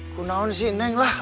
kenaun sih neng lah